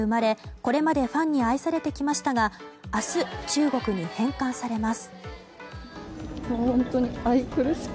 これまでファンに愛されてきましたが明日中国に返還されます。